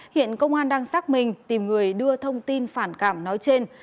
hiện công an đang xác minh tìm người đưa thông tin phản cảm nói trên